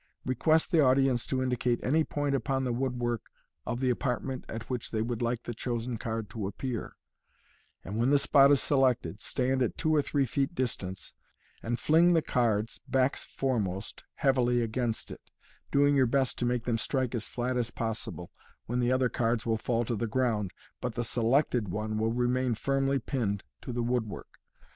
Request the audience to indicate any point upon the woodwork of the apartment at which they would like the chosen card to appear ; and when the spot is selected, stand at two or three feet distance, and fling the cards, backs foremost, heavily against it, doing your best to make them strike as flat as possible, when the other cards will fall to the ground, but the selected one will remain firmly pinned to the woodwork.